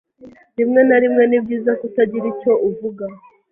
Rimwe na rimwe ni byiza kutagira icyo uvuga.